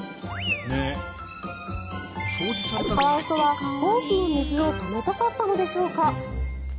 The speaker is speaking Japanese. カワウソはホースの水を止めたかったのでしょうか。